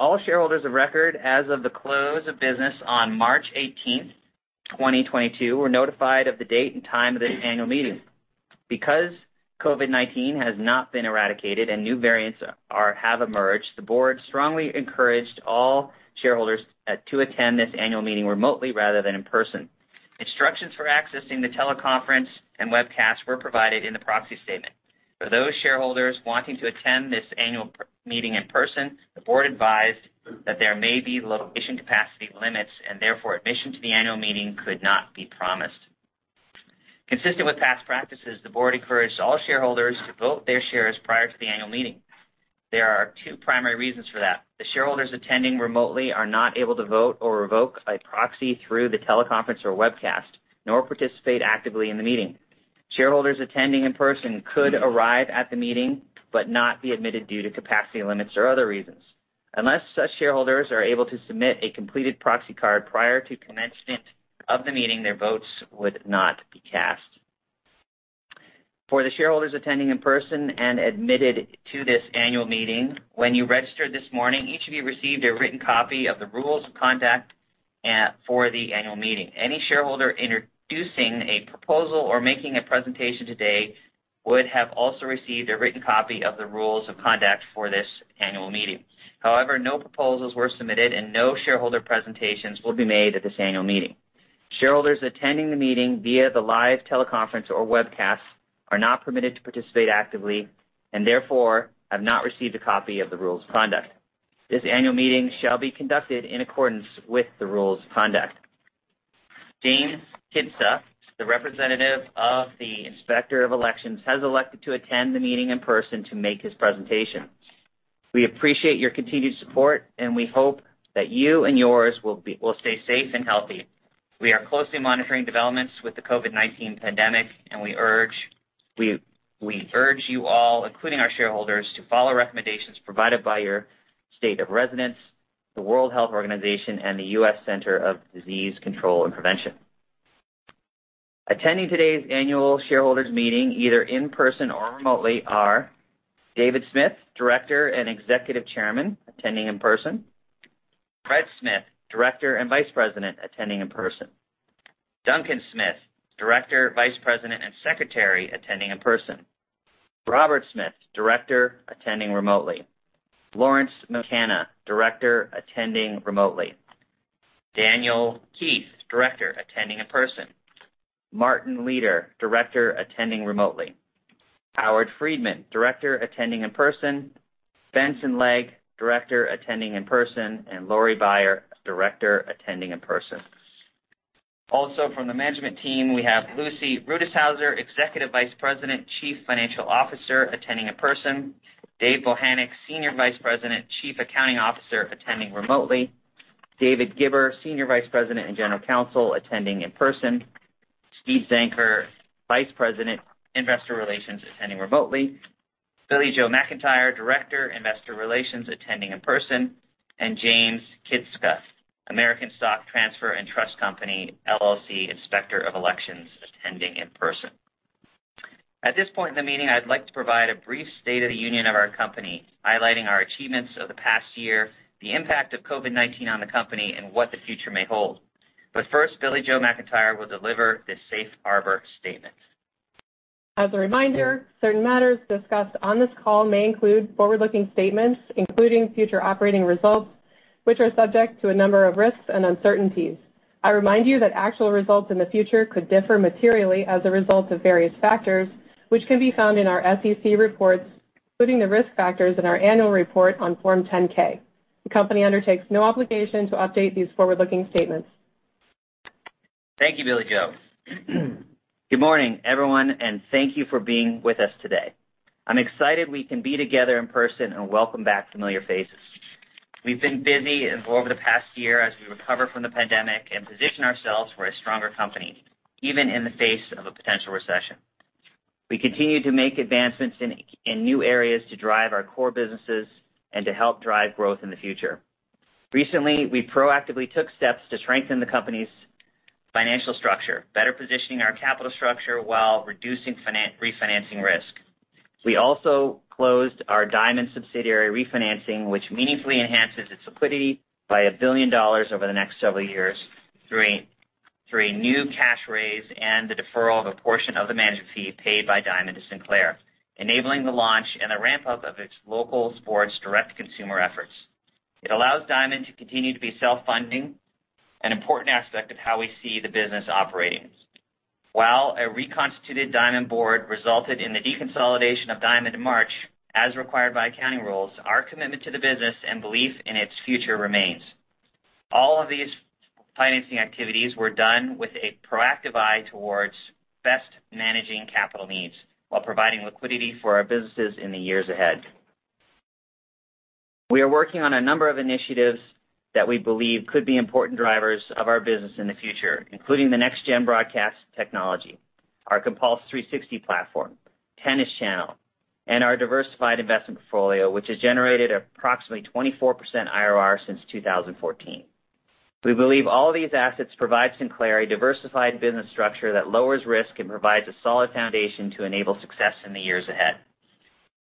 All shareholders of record as of the close of business on March 18, 2022, were notified of the date and time of this annual meeting. Because COVID-19 has not been eradicated and new variants have emerged, the board strongly encouraged all shareholders to attend this annual meeting remotely rather than in person. Instructions for accessing the teleconference and webcast were provided in the proxy statement. For those shareholders wanting to attend this annual meeting in person, the board advised that there may be location capacity limits and therefore admission to the annual meeting could not be promised. Consistent with past practices, the board encouraged all shareholders to vote their shares prior to the annual meeting. There are two primary reasons for that. The shareholders attending remotely are not able to vote or revoke a proxy through the teleconference or webcast, nor participate actively in the meeting. Shareholders attending in person could arrive at the meeting but not be admitted due to capacity limits or other reasons. Unless such shareholders are able to submit a completed proxy card prior to commencement of the meeting, their votes would not be cast. For the shareholders attending in person and admitted to this annual meeting, when you registered this morning, each of you received a written copy of the rules of conduct for the annual meeting. Any shareholder introducing a proposal or making a presentation today would have also received a written copy of the rules of conduct for this annual meeting. However, no proposals were submitted and no shareholder presentations will be made at this annual meeting. Shareholders attending the meeting via the live teleconference or webcast are not permitted to participate actively and therefore have not received a copy of the rules of conduct. This annual meeting shall be conducted in accordance with the rules of conduct. James Kiszka, the representative of the Inspector of Elections, has elected to attend the meeting in person to make his presentation. We appreciate your continued support, and we hope that you and yours will stay safe and healthy. We are closely monitoring developments with the COVID-19 pandemic, and we urge you all, including our shareholders, to follow recommendations provided by your state of residence, the World Health Organization, and the U.S. Centers for Disease Control and Prevention. Attending today's annual shareholders meeting, either in person or remotely, are David Smith, Director and Executive Chairman, attending in person. Fred Smith, Director and Vice President, attending in person. Duncan Smith, Director, Vice President, and Secretary, attending in person. Robert Smith, Director, attending remotely. Lawrence McCanna, Director, attending remotely. Daniel Keith, Director, attending in person. Martin Leader, Director, attending remotely. Howard Friedman, Director, attending in person. Benson Legg, Director, attending in person. Laurie R. Beyer, Director, attending in person. Also from the management team, we have Lucy Rutishauser, Executive Vice President, Chief Financial Officer, attending in person. David R. Bochenek, Senior Vice President, Chief Accounting Officer, attending remotely. David Gibber, Senior Vice President and General Counsel, attending in person. Steven Zenker, Vice President, Investor Relations, attending remotely. Billie-Jo McIntire, Director, Investor Relations, attending in person. James Kiszka, American Stock Transfer & Trust Company, LLC, Inspector of Elections, attending in person. At this point in the meeting, I'd like to provide a brief state of the union of our company, highlighting our achievements of the past year, the impact of COVID-19 on the company, and what the future may hold. First, Billie-Jo McIntire will deliver the safe harbor statement. As a reminder, certain matters discussed on this call may include forward-looking statements, including future operating results, which are subject to a number of risks and uncertainties. I remind you that actual results in the future could differ materially as a result of various factors, which can be found in our SEC reports, including the risk factors in our annual report on Form 10-K. The company undertakes no obligation to update these forward-looking statements. Thank you, Billie-Jo. Good morning, everyone, and thank you for being with us today. I'm excited we can be together in person and welcome back familiar faces. We've been busy over the past year as we recover from the pandemic and position ourselves for a stronger company, even in the face of a potential recession. We continue to make advancements in new areas to drive our core businesses and to help drive growth in the future. Recently, we proactively took steps to strengthen the company's financial structure, better positioning our capital structure while reducing refinancing risk. We also closed our Diamond subsidiary refinancing, which meaningfully enhances its liquidity by $1 billion over the next several years through a new cash raise and the deferral of a portion of the management fee paid by Diamond to Sinclair, enabling the launch and the ramp-up of its local sports direct-to-consumer efforts. It allows Diamond to continue to be self-funding, an important aspect of how we see the business operating. While a reconstituted Diamond board resulted in the deconsolidation of Diamond in March, as required by accounting rules, our commitment to the business and belief in its future remains. All of these financing activities were done with a proactive eye towards best managing capital needs while providing liquidity for our businesses in the years ahead. We are working on a number of initiatives that we believe could be important drivers of our business in the future, including NextGen broadcast technology, our Compulse360 platform, Tennis Channel, and our diversified investment portfolio, which has generated approximately 24% IRR since 2014. We believe all these assets provide Sinclair a diversified business structure that lowers risk and provides a solid foundation to enable success in the years ahead.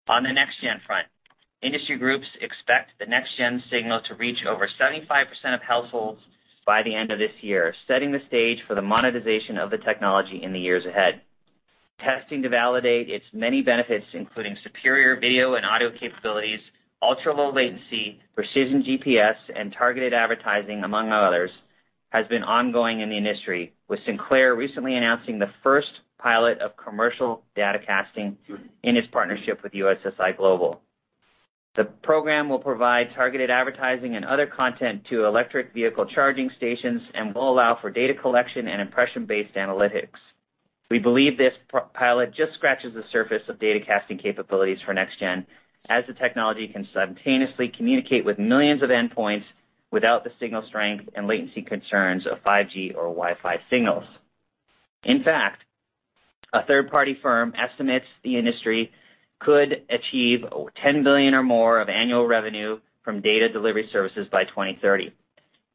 On the NextGen front, industry groups expect the NextGen signal to reach over 75% of households by the end of this year, setting the stage for the monetization of the technology in the years ahead. Testing to validate its many benefits, including superior video and audio capabilities, ultra-low latency, precision GPS, and targeted advertising among others, has been ongoing in the industry, with Sinclair recently announcing the first pilot of commercial datacasting in its partnership with USSI Global. The program will provide targeted advertising and other content to electric vehicle charging stations and will allow for data collection and impression-based analytics. We believe this pilot just scratches the surface of datacasting capabilities for NextGen, as the technology can simultaneously communicate with millions of endpoints without the signal strength and latency concerns of 5G or Wi-Fi signals. In fact, a third-party firm estimates the industry could achieve $10 billion or more of annual revenue from data delivery services by 2030.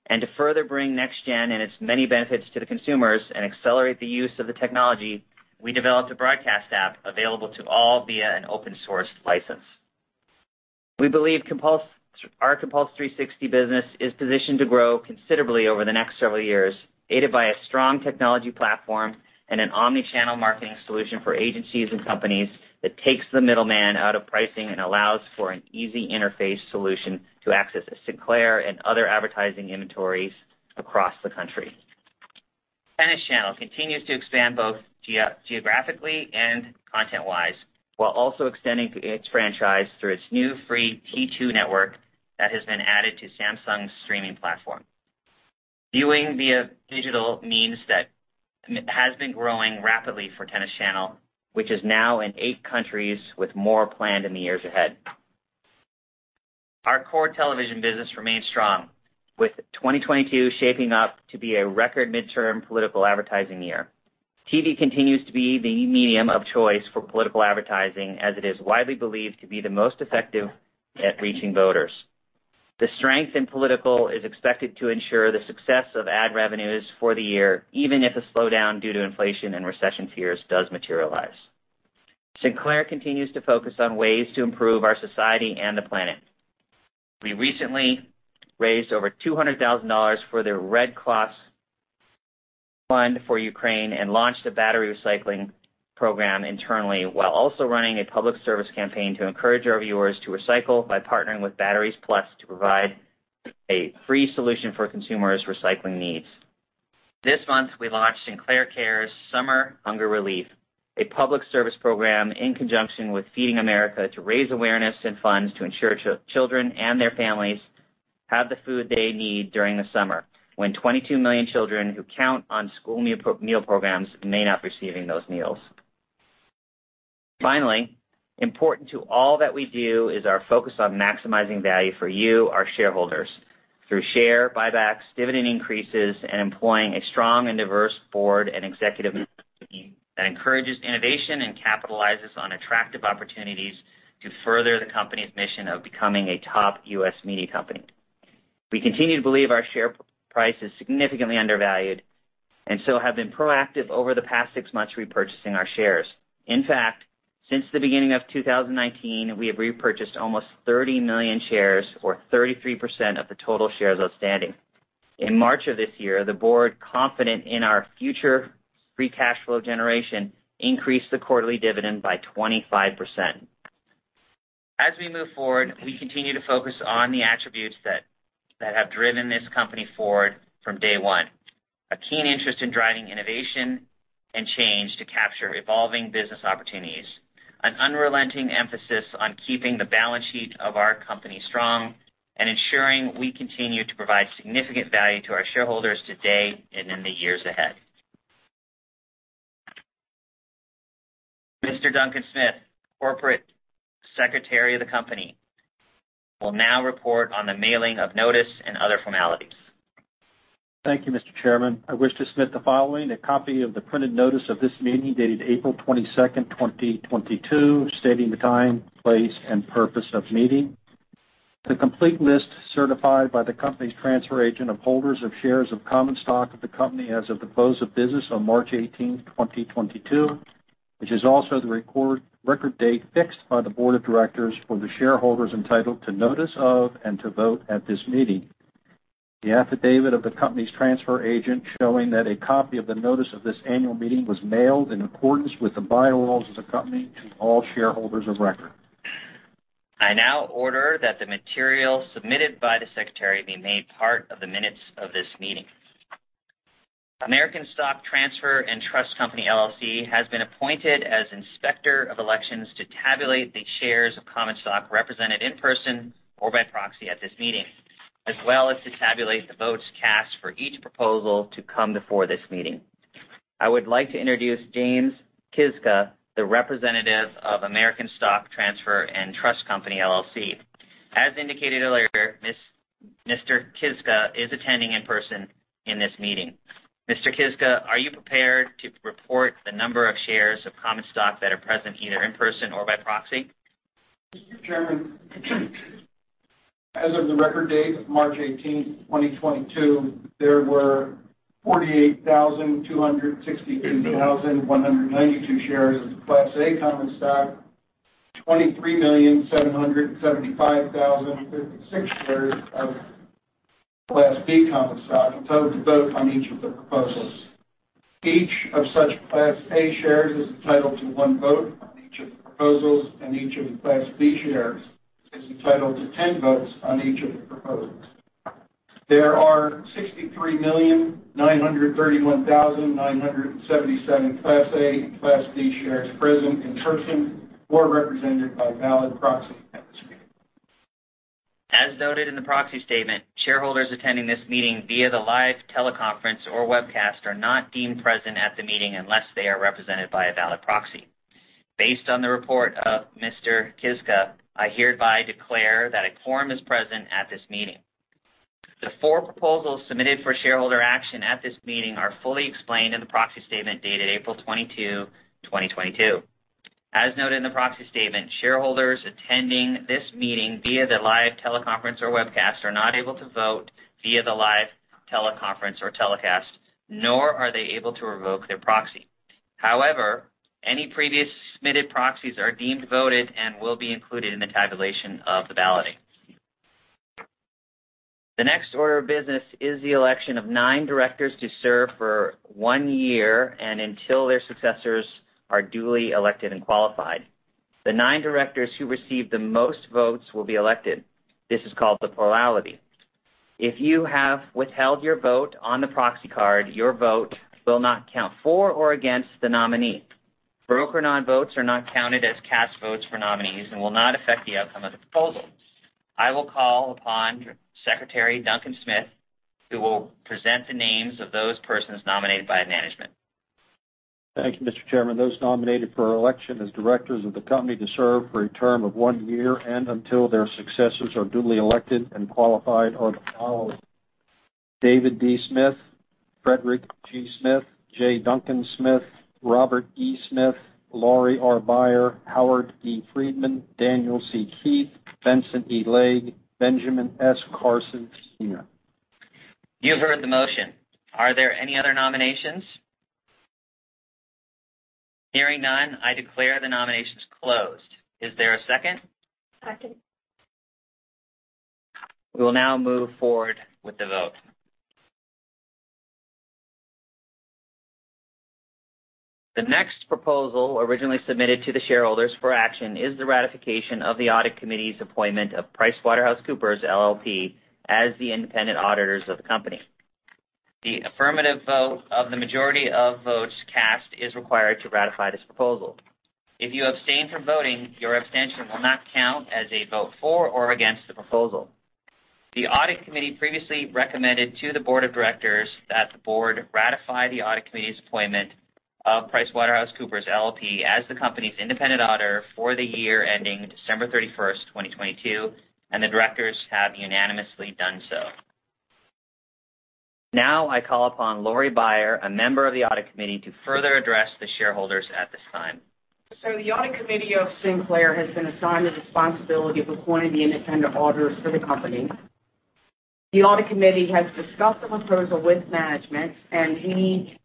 To further bring NextGen and its many benefits to the consumers and accelerate the use of the technology, we developed a broadcast app available to all via an open source license. We believe Compulse—our Compulse360 business is positioned to grow considerably over the next several years, aided by a strong technology platform and an omni-channel marketing solution for agencies and companies that takes the middleman out of pricing and allows for an easy interface solution to access the Sinclair and other advertising inventories across the country. Tennis Channel continues to expand both geographically and content-wise, while also extending its franchise through its new free T2 network that has been added to Samsung's streaming platform. Viewing via digital means has been growing rapidly for Tennis Channel, which is now in eight countries with more planned in the years ahead. Our core television business remains strong, with 2022 shaping up to be a record midterm political advertising year. TV continues to be the medium of choice for political advertising, as it is widely believed to be the most effective at reaching voters. The strength in political is expected to ensure the success of ad revenues for the year, even if a slowdown due to inflation and recession fears does materialize. Sinclair continues to focus on ways to improve our society and the planet. We recently raised over $200,000 for the Red Cross Fund for Ukraine and launched a battery recycling program internally, while also running a public service campaign to encourage our viewers to recycle by partnering with Batteries Plus to provide a free solution for consumers' recycling needs. This month, we launched Sinclair Cares Summer Hunger Relief, a public service program in conjunction with Feeding America to raise awareness and funds to ensure children and their families have the food they need during the summer, when 22 million children who count on school meal programs may not be receiving those meals. Finally, important to all that we do is our focus on maximizing value for you, our shareholders, through share buybacks, dividend increases, and employing a strong and diverse board and executive team that encourages innovation and capitalizes on attractive opportunities to further the company's mission of becoming a top U.S. media company. We continue to believe our share price is significantly undervalued and so have been proactive over the past six months repurchasing our shares. In fact, since the beginning of 2019, we have repurchased almost 30 million shares, or 33% of the total shares outstanding. In March of this year, the board, confident in our future free cash flow generation, increased the quarterly dividend by 25%. As we move forward, we continue to focus on the attributes that have driven this company forward from day one, a keen interest in driving innovation and change to capture evolving business opportunities, an unrelenting emphasis on keeping the balance sheet of our company strong, and ensuring we continue to provide significant value to our shareholders today and in the years ahead. Mr. Duncan Smith, Corporate Secretary of the company, will now report on the mailing of notice and other formalities. Thank you, Mr. Chairman. I wish to submit the following: a copy of the printed notice of this meeting dated April 22, 2022, stating the time, place, and purpose of meeting. The complete list certified by the company's transfer agent of holders of shares of common stock of the company as of the close of business on March 18, 2022, which is also the record date fixed by the board of directors for the shareholders entitled to notice of and to vote at this meeting. The affidavit of the company's transfer agent showing that a copy of the notice of this annual meeting was mailed in accordance with the bylaws of the company to all shareholders of record. I now order that the material submitted by the secretary be made part of the minutes of this meeting. American Stock Transfer & Trust Company, LLC has been appointed as inspector of elections to tabulate the shares of common stock represented in person or by proxy at this meeting, as well as to tabulate the votes cast for each proposal to come before this meeting. I would like to introduce James Kiszka, the representative of American Stock Transfer & Trust Company, LLC. As indicated earlier, Mr. Kiszka is attending in person in this meeting. Mr. Kiszka, are you prepared to report the number of shares of common stock that are present either in person or by proxy? Mr. Chairman, as of the record date of March 18, 2022, there were 48,262,192 shares of Class A common stock, 23,775,036 shares of Class B common stock entitled to vote on each of the proposals. Each of such Class A shares is entitled to one vote on each of the proposals, and each of the Class B shares is entitled to 10 votes on each of the proposals. There are 63,931,977 Class A and Class B shares present in person or represented by valid proxy at this meeting. As noted in the proxy statement, shareholders attending this meeting via the live teleconference or webcast are not deemed present at the meeting unless they are represented by a valid proxy. Based on the report of Mr. Kiszka, I hereby declare that a quorum is present at this meeting. The four proposals submitted for shareholder action at this meeting are fully explained in the proxy statement dated April 22, 2022. As noted in the proxy statement, shareholders attending this meeting via the live teleconference or webcast are not able to vote via the live teleconference or webcast, nor are they able to revoke their proxy. However, any previously submitted proxies are deemed voted and will be included in the tabulation of the balloting. The next order of business is the election of nine directors to serve for one year and until their successors are duly elected and qualified. The nine directors who receive the most votes will be elected. This is called the plurality. If you have withheld your vote on the proxy card, your vote will not count for or against the nominee. Broker non-votes are not counted as cast votes for nominees and will not affect the outcome of the proposal. I will call upon Secretary Duncan Smith, who will present the names of those persons nominated by management. Thank you, Mr. Chairman. Those nominated for election as directors of the company to serve for a term of one year and until their successors are duly elected and qualified are the following: David D. Smith, Frederick G. Smith, J. Duncan Smith, Robert E. Smith, Laurie R. Beyer, Howard E. Friedman, Daniel C. Keith, Benson E. Legg, Benjamin S. Carson, Sr. You heard the motion. Are there any other nominations? Hearing none, I declare the nominations closed. Is there a second? Second. We will now move forward with the vote. The next proposal originally submitted to the shareholders for action is the ratification of the Audit Committee's appointment of PricewaterhouseCoopers, LLP, as the independent auditors of the company. The affirmative vote of the majority of votes cast is required to ratify this proposal. If you abstain from voting, your abstention will not count as a vote for or against the proposal. The Audit Committee previously recommended to the board of directors that the board ratify the Audit Committee's appointment of PricewaterhouseCoopers, LLP, as the company's independent auditor for the year ending December 31, 2022, and the directors have unanimously done so. Now, I call upon Laurie R. Beyer, a member of the Audit Committee, to further address the shareholders at this time. The Audit Committee of Sinclair has been assigned the responsibility of appointing the independent auditors for the company. The Audit Committee has discussed the proposal with management, and we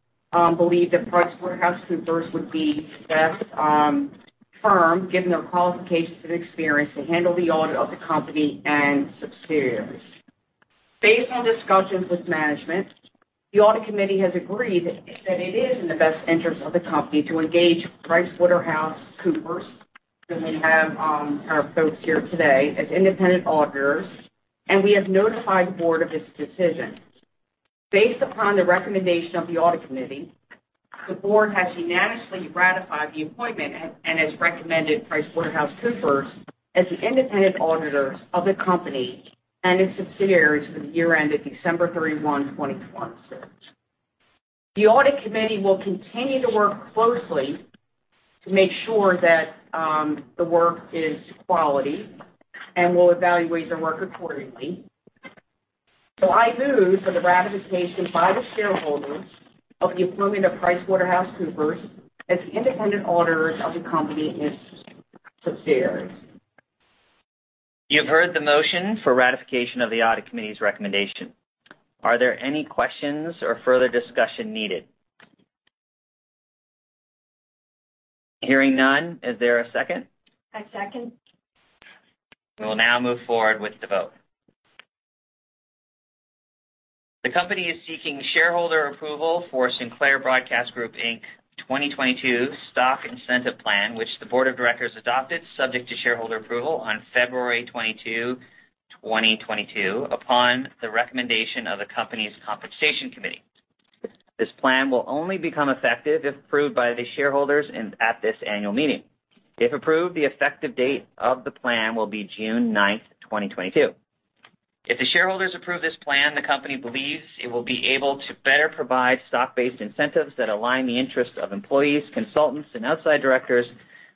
believe that PricewaterhouseCoopers would be the best firm, given their qualifications and experience to handle the audit of the company and subsidiaries. Based on discussions with management, the Audit Committee has agreed that it is in the best interest of the company to engage PricewaterhouseCoopers, who we have our folks here today, as independent auditors, and we have notified the board of this decision. Based upon the recommendation of the Audit Committee, the board has unanimously ratified the appointment and has recommended PricewaterhouseCoopers as the independent auditors of the company and its subsidiaries for the year ended December 31, 2022. The Audit Committee will continue to work closely to make sure that, the work is quality and will evaluate their work accordingly. I move for the ratification by the shareholders of the appointment of PricewaterhouseCoopers, LLP as the independent auditors of the company and subsidiaries. You've heard the motion for ratification of the Audit Committee's recommendation. Are there any questions or further discussion needed? Hearing none, is there a second? I second. We will now move forward with the vote. The company is seeking shareholder approval for Sinclair Broadcast Group, Inc. 2022 Stock Incentive Plan, which the board of directors adopted subject to shareholder approval on February 22, 2022, upon the recommendation of the company's Compensation Committee. This plan will only become effective if approved by the shareholders at this annual meeting. If approved, the effective date of the plan will be June 9, 2022. If the shareholders approve this plan, the company believes it will be able to better provide stock-based incentives that align the interests of employees, consultants, and outside directors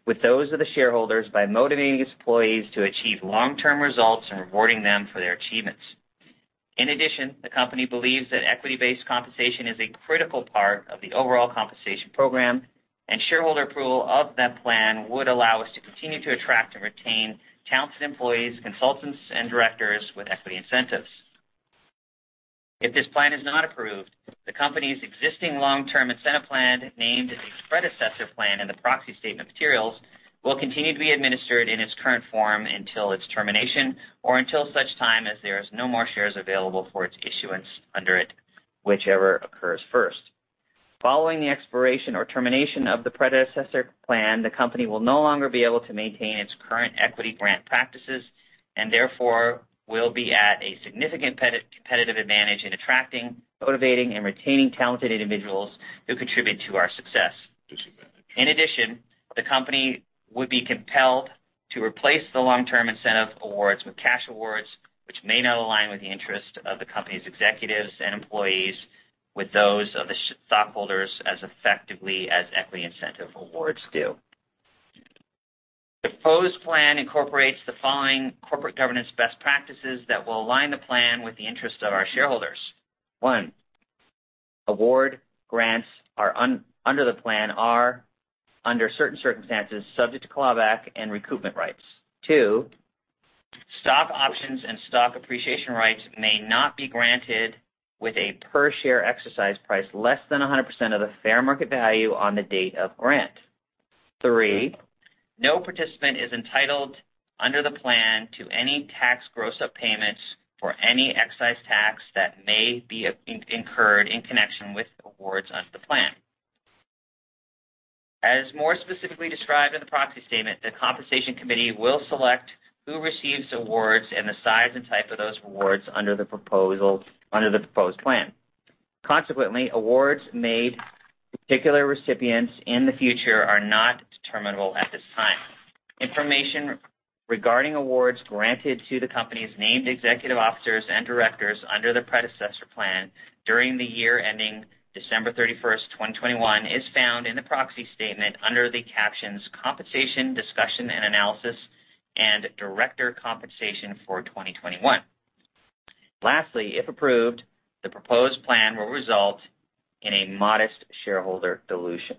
with those of the shareholders by motivating its employees to achieve long-term results and rewarding them for their achievements. In addition, the company believes that equity-based compensation is a critical part of the overall compensation program, and shareholder approval of that plan would allow us to continue to attract and retain talented employees, consultants, and directors with equity incentives. If this plan is not approved, the company's existing long-term incentive plan, named the Predecessor Plan in the proxy statement materials, will continue to be administered in its current form until its termination or until such time as there is no more shares available for its issuance under it, whichever occurs first. Following the expiration or termination of the Predecessor Plan, the company will no longer be able to maintain its current equity grant practices and therefore will be at a significant competitive advantage in attracting, motivating, and retaining talented individuals who contribute to our success. In addition, the company would be compelled to replace the long-term incentive awards with cash awards, which may not align with the interest of the company's executives and employees with those of the stockholders as effectively as equity incentive awards do. The proposed plan incorporates the following corporate governance best practices that will align the plan with the interest of our shareholders. One, award grants under the plan are, under certain circumstances, subject to clawback and recoupment rights. Two, stock options and stock appreciation rights may not be granted with a per-share exercise price less than 100% of the fair market value on the date of grant. Three, no participant is entitled under the plan to any tax gross up payments for any excise tax that may be incurred in connection with awards under the plan. As more specifically described in the proxy statement, the Compensation Committee will select who receives awards and the size and type of those awards under the proposed plan. Consequently, awards made to particular recipients in the future are not determinable at this time. Information regarding awards granted to the company's named executive officers and directors under the Predecessor Plan during the year ending December 31, 2021 is found in the proxy statement under the captions Compensation Discussion and Analysis and Director Compensation for 2021. Lastly, if approved, the proposed plan will result in a modest shareholder dilution.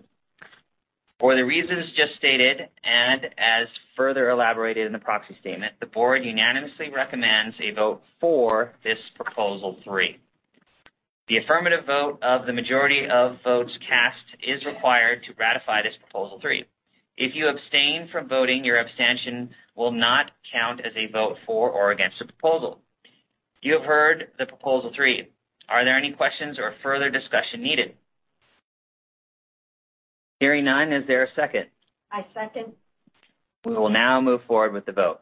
For the reasons just stated, and as further elaborated in the proxy statement, the board unanimously recommends a vote for this Proposal 3. The affirmative vote of the majority of votes cast is required to ratify this Proposal 3. If you abstain from voting, your abstention will not count as a vote for or against the proposal. You have heard the Proposal 3. Are there any questions or further discussion needed? Hearing none, is there a second? I second. We will now move forward with the vote.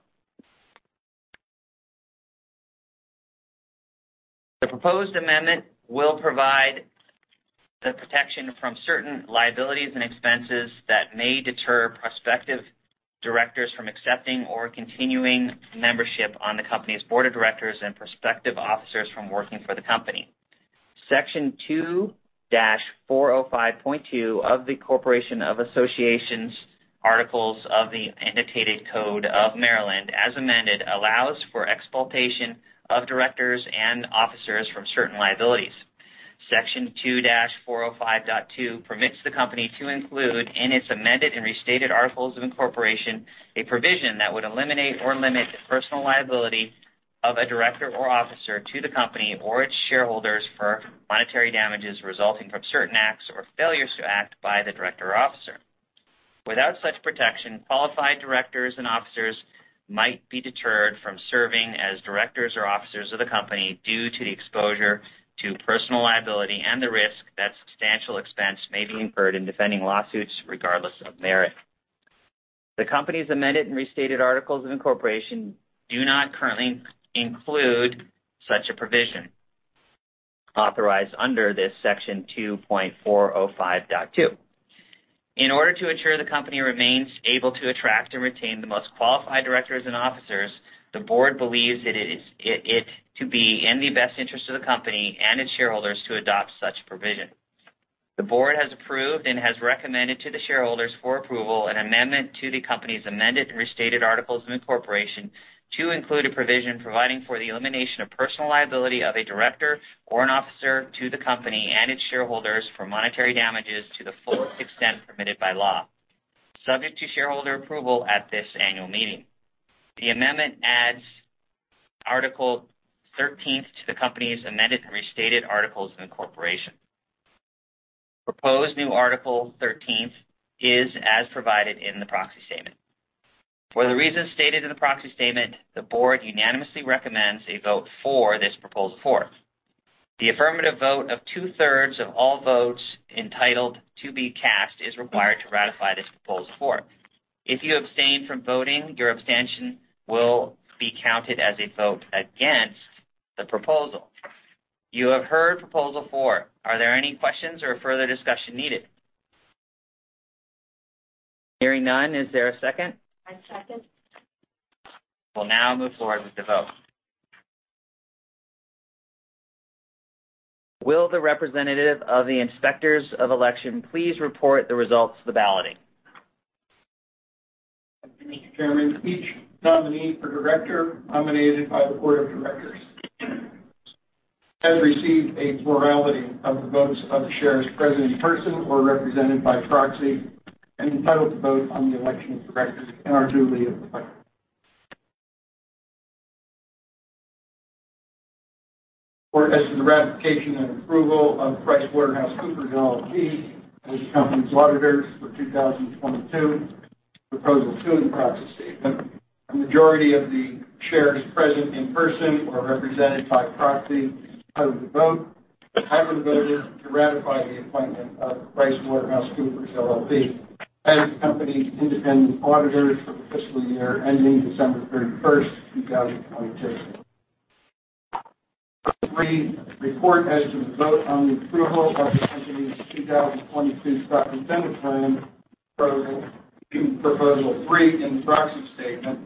The proposed amendment will provide the protection from certain liabilities and expenses that may deter prospective directors from accepting or continuing membership on the company's board of directors and prospective officers from working for the company. Section 2-405.2 of the Corporations and Associations Article of the Annotated Code of Maryland, as amended, allows for exculpation of directors and officers from certain liabilities. Section 2-405.2 permits the company to include in its amended and restated articles of incorporation a provision that would eliminate or limit the personal liability of a director or officer to the company or its shareholders for monetary damages resulting from certain acts or failures to act by the director or officer. Without such protection, qualified directors and officers might be deterred from serving as directors or officers of the company due to the exposure to personal liability and the risk that substantial expense may be incurred in defending lawsuits regardless of merit. The company's amended and restated articles of incorporation do not currently include such a provision authorized under this Section 2.405.2. In order to ensure the company remains able to attract and retain the most qualified directors and officers, the board believes it to be in the best interest of the company and its shareholders to adopt such provision. The board has approved and has recommended to the shareholders for approval an amendment to the company's amended and restated articles of incorporation to include a provision providing for the elimination of personal liability of a director or an officer to the company and its shareholders for monetary damages to the full extent permitted by law, subject to shareholder approval at this annual meeting. The amendment adds Article 13th to the company's amended and restated articles of incorporation. Proposed new Article 13th is as provided in the proxy statement. For the reasons stated in the proxy statement, the board unanimously recommends a vote for this Proposal 4. The affirmative vote of two-thirds of all votes entitled to be cast is required to ratify this Proposal 4. If you abstain from voting, your abstention will be counted as a vote against the proposal. You have heard Proposal 4. Are there any questions or further discussion needed? Hearing none, is there a second? I second. We'll now move forward with the vote. Will the representative of the inspectors of election please report the results of the balloting? Chairman, each nominee for director nominated by the board of directors has received a plurality of the votes of the shares present in person or represented by proxy and entitled to vote on the election of directors and are duly elected. As to the ratification and approval of PricewaterhouseCoopers, LLP, as the company's auditors for 2022, Proposal 2 in the proxy statement. The majority of the shares present in person or represented by proxy entitled to vote, have voted to ratify the appointment of PricewaterhouseCoopers, LLP as the company's independent auditors for the fiscal year ending December 31, 2022. Three, report as to the vote on the approval of the company's 2022 stock incentive plan proposal, Proposal 3 in the proxy statement.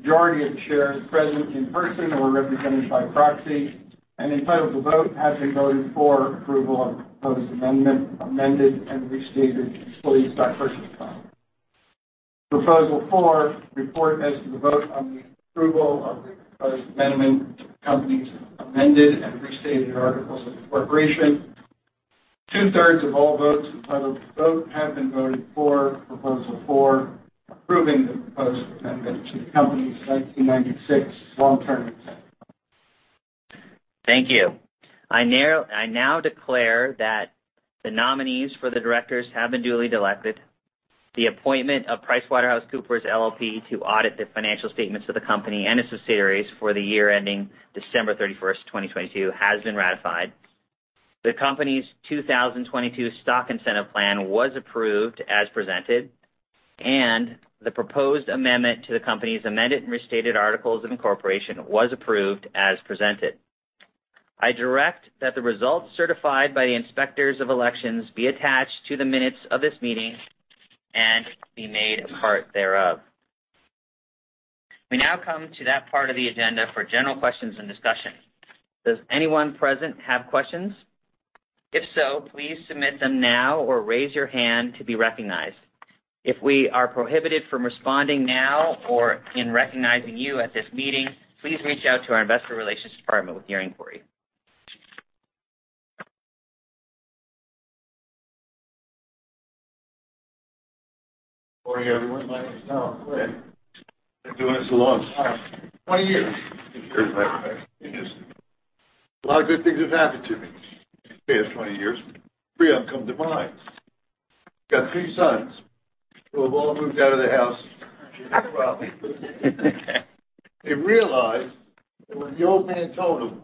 Majority of shares present in person or represented by proxy and entitled to vote have been voted for approval of the proposed amendment, amended and restated employee stock purchase plan. Proposal four, report as to the vote on the approval of the proposed amendment to the company's amended and restated articles of incorporation. Two-thirds of all votes entitled to vote have been voted for Proposal four, approving the proposed amendment to the company's 1996 long-term. Thank you. I now declare that the nominees for the directors have been duly elected. The appointment of PricewaterhouseCoopers, LLP to audit the financial statements of the company and its subsidiaries for the year ending December 31, 2022, has been ratified. The company's 2022 stock incentive plan was approved as presented, and the proposed amendment to the company's amended and restated articles of incorporation was approved as presented. I direct that the results certified by the inspectors of elections be attached to the minutes of this meeting and be made a part thereof. We now come to that part of the agenda for general questions and discussion. Does anyone present have questions? If so, please submit them now or raise your hand to be recognized. If we are prohibited from responding now or in recognizing you at this meeting, please reach out to our investor relations department with your inquiry. Good morning, everyone. My name is Alan. Been doing this the longest time, 20 years. A lot of good things have happened to me in the past 20 years. Three of them come to mind. Got three sons who have all moved out of the house. They realized that when the old man told them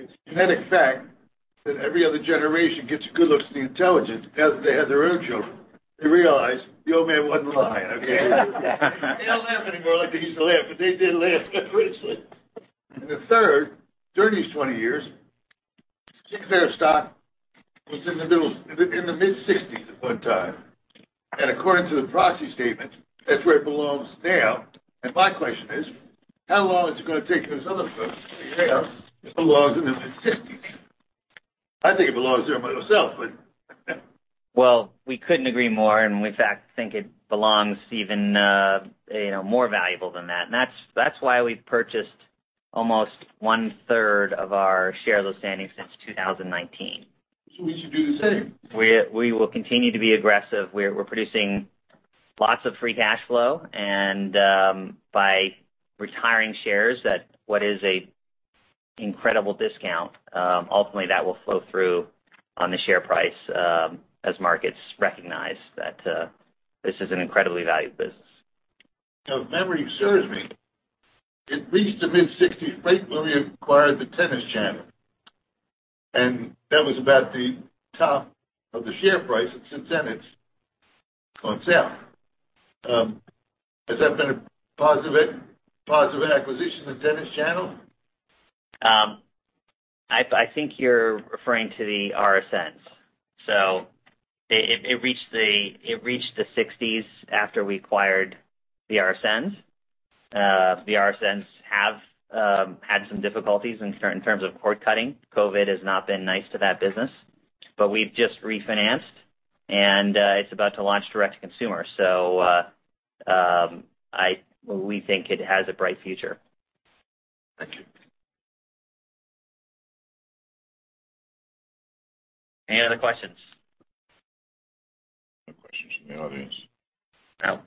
it's a genetic fact that every other generation gets the good looks and the intelligence, now that they had their own children, they realized the old man wasn't lying. They don't laugh at me like they used to laugh, but they did laugh originally. The third, during these 20 years, Sinclair's stock was in the mid-60s at one time. According to the proxy statement, that's where it belongs now. My question is, how long is it gonna take those other folks to realize it belongs in the mid-sixties? I think it belongs there by myself, but. Well, we couldn't agree more, and we in fact think it belongs even, you know, more valuable than that. That's why we've purchased almost one-third of our share of those outstanding since 2019. We should do the same. We will continue to be aggressive. We're producing lots of free cash flow and by retiring shares at what is an incredible discount, ultimately, that will flow through on the share price, as markets recognize that this is an incredibly valued business. If memory serves me, it reached the mid-60s right when we acquired the Tennis Channel, and that was about the top of the share price, it's descending on sale. Has that been a positive acquisition, the Tennis Channel? I think you're referring to the RSNs. It reached the sixties after we acquired the RSNs. The RSNs have had some difficulties in terms of cord-cutting. COVID has not been nice to that business. We've just refinanced and it's about to launch direct-to-consumer. We think it has a bright future. Thank you. Any other questions? No questions from the audience. No.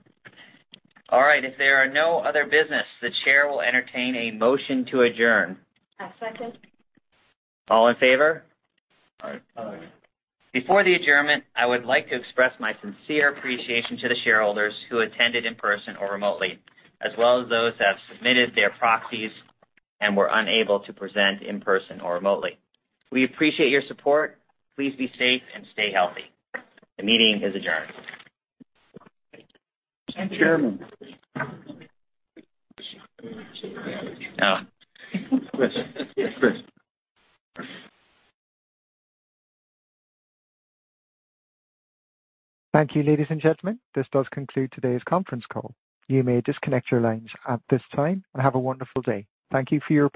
All right. If there are no other business, the chair will entertain a motion to adjourn. I second. All in favor? Aye. Before the adjournment, I would like to express my sincere appreciation to the shareholders who attended in person or remotely, as well as those that have submitted their proxies and were unable to present in person or remotely. We appreciate your support. Please be safe and stay healthy. The meeting is adjourned. Thank you. Oh. Chris. Thank you, ladies and gentlemen. This does conclude today's conference call. You may disconnect your lines at this time, and have a wonderful day. Thank you for your participation.